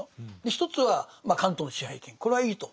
一つは関東の支配権これはいいと。